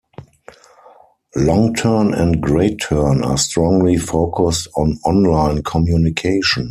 Longturn and Greatturn are strongly focused on online communication.